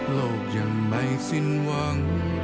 โลกยังไม่สิ้นหวัง